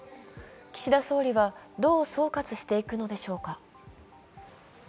岸田総理はどう総括していくのでしょうか。